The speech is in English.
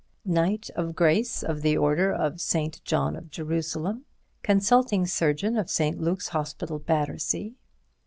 Knight of Grace of the Order of S. John of Jerusalem; Consulting Surgeon of St. Luke's Hospital, Battersea.